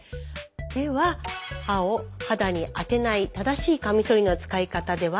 では刃を肌に当てない正しいカミソリの使い方では。